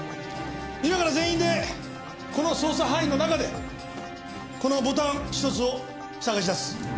今から全員でこの捜査範囲の中でこのボタンひとつを捜し出す。